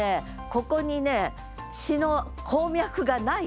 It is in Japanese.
ここにね詩の鉱脈がない。